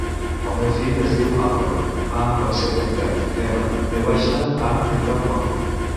El meu fill es diu Álvaro: a amb accent tancat, ela, ve baixa, a, erra, o.